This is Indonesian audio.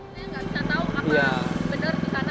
tidak bisa tahu apa benar di sana ada